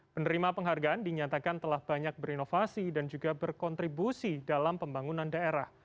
penerima penghargaan dinyatakan telah banyak berinovasi dan juga berkontribusi dalam pembangunan daerah